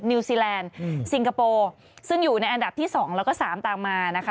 นิวซีแลนด์ซิงคโปร์ซึ่งอยู่ในอันดับที่๒แล้วก็๓ตามมานะคะ